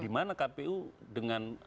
dimana kpu dengan